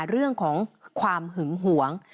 เรื่องของความหึงหวง